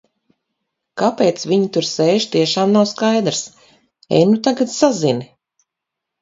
Kāpēc viņi tur sēž, tiešām nav skaidrs. Ej nu tagad sazini.